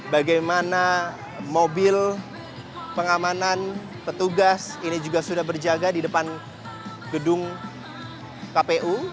bagaimana mobil pengamanan petugas ini juga sudah berjaga di depan gedung kpu